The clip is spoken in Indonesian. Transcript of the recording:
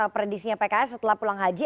predisinya pks setelah pulang haji